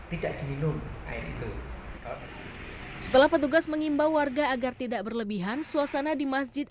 tidak diminum air itu setelah petugas mengimbau warga agar tidak berlebihan suasana di masjid